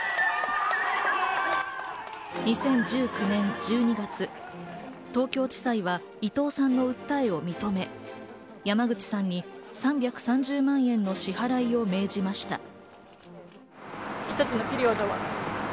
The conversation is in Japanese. ２０１９年１２月、東京地裁は伊藤さんの訴えを認め、山口さんに３３０万円の支払いを命じました。